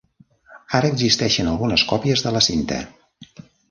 Ara existeixen algunes còpies de la cinta.